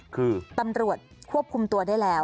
คือตำรวจควบคุมตัวได้แล้ว